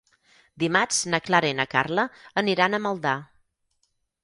Dimarts na Clara i na Carla aniran a Maldà.